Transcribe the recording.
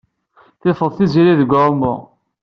Tifeḍ Tiziri deg uɛumu.